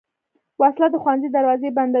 وسله د ښوونځي دروازې بندوي